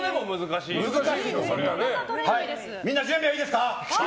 みんな準備はいいですか？